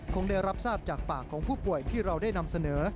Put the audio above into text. คงได้รับทราบจากปากของผู้ป่วยที่เราได้นำเสนอ